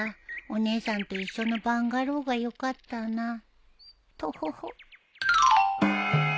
お姉さんと一緒のバンガローがよかったな